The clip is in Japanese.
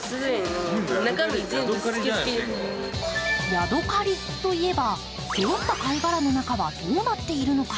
やどかりといえば、背負った貝殻の中はどうなっているのか。